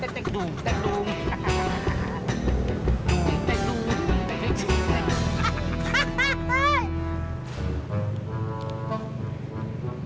teg teg dung teg teg dung teg teg dung teg teg dung